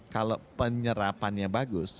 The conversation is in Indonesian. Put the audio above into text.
kalau penyerapannya bagus